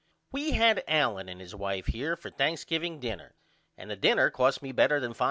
We had Allen and his wife here for thanksgiveing dinner and the dinner cost me better than $5.